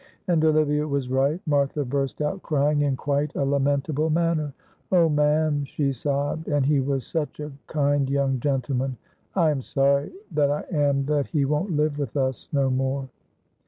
And Olivia was right. Martha burst out crying in quite a lamentable manner. "Oh, ma'am," she sobbed, "and he was such a kind young gentleman. I am sorry, that I am, that he won't live with us no more.